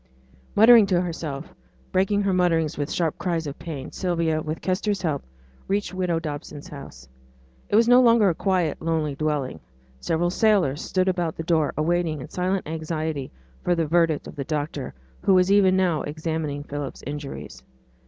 Muttering to herself, breaking her mutterings with sharp cries of pain, Sylvia, with Kester's help, reached widow Dobson's house. It was no longer a quiet, lonely dwelling. Several sailors stood about the door, awaiting, in silent anxiety, for the verdict of the doctor, who was even now examining Philip's injuries.